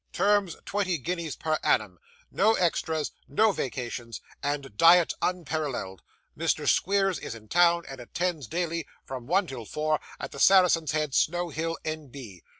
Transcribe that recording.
Terms, twenty guineas per annum. No extras, no vacations, and diet unparalleled. Mr. Squeers is in town, and attends daily, from one till four, at the Saracen's Head, Snow Hill. N.B.